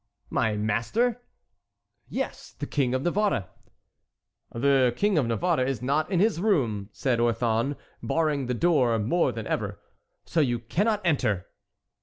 "My master?" "Yes, the King of Navarre." "The King of Navarre is not in his room," said Orthon, barring the door more than ever, "so you cannot enter."